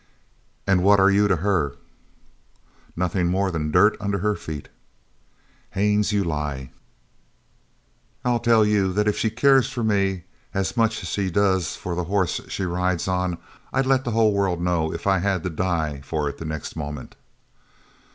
"An' what are you to her?" "No more than the dirt under her feet!" "Haines, you lie!" "I tell you that if she cared for me as much as she does for the horse she rides on, I'd let the whole world know if I had to die for it the next moment."